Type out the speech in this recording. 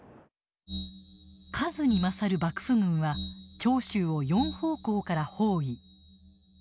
数に勝る幕府軍は長州を４方向から包囲。